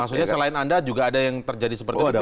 maksudnya selain anda juga ada yang terjadi seperti itu